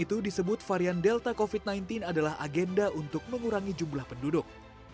itu disebut varian delta covid sembilan belas adalah agenda untuk mengurangi jumlah penduduk